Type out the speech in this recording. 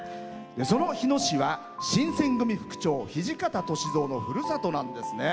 その日野市は新選組副長土方歳三のふるさとなんですね。